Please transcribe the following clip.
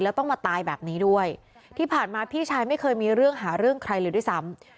แล้วต้องมาตายแบบนี้ด้วยที่ผ่านมาพี่ชายไม่เคยมีเรื่องหาเรื่องใครเลยด้วยซ้ำ